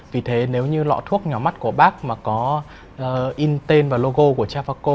vì thế nếu như lọ thuốc nhỏ mắt của bác mà có in tên và logo của chafaco